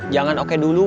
jangan oke dulu